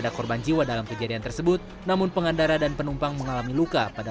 ada korban jiwa dalam kejadian tersebut namun pengendara dan penumpang mengalami luka pada